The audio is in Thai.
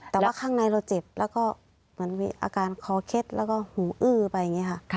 แต่ว่าข้างในเราเจ็บแล้วก็เหมือนมีอาการคอเคล็ดแล้วก็หูอื้อไปอย่างนี้ค่ะ